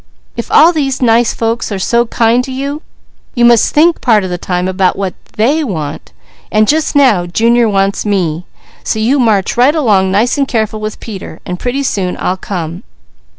If all these nice folks are so kind to you, you must think part of the time about what they want, and just now Junior wants me, so you march right along nice and careful with Peter, and pretty soon I'll come."